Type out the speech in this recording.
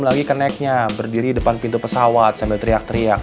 mainkan gamenya dapet pincuannya